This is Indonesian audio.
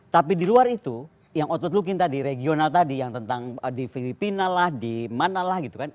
tapi di luar itu yang outward looking tadi regional tadi yang tentang di filipina lah di mana lah gitu kan